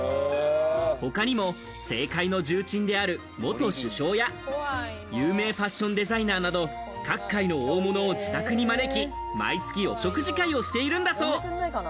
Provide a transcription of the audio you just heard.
他にも政界の重鎮である元首相や有名ファッションデザイナーなど各界の大物を自宅に招き、毎月お食事会をしているんだそう。